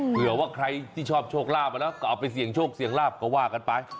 เผื่อว่าใครที่ชอบโชคลาภมาแล้วก็เอาไปเสี่ยงโชคเสี่ยงลาบก็ว่ากันไป